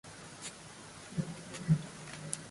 でも、どこを見ても一緒だった